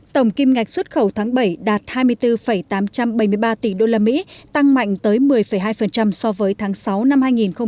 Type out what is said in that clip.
tổng kim ngạch xuất khẩu tháng bảy đạt hai mươi bốn tám trăm bảy mươi ba tỷ đô la mỹ tăng mạnh tới một mươi hai so với tháng sáu năm hai nghìn hai mươi